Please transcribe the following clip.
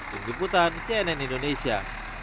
dijeputan cnn indonesia